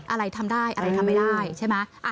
อะไรทำได้อะไรทำไม่ได้ใช่ไหม